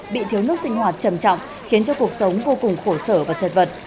bị thiếu nước sinh hoạt trầm trọng khiến cho cuộc sống vô cùng khổ sở và chật vật